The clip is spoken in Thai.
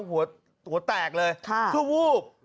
หัวแตกเลยคือวูบ